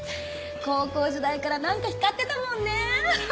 高校時代から何か光ってたもんね。